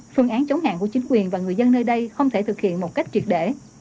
phương án chống hạn của chính quyền và người dân nơi đây không thể thực hiện một cách triệt để